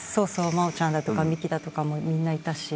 真央ちゃんだとか美姫だとかもみんないたし。